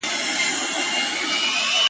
د انغري له خوانه خړې سونډې بيا راغلله,